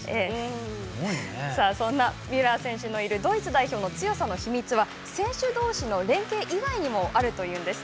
そんなミュラー選手のいるドイツ代表の強さの秘密は選手同士の連係以外にもあるというんです。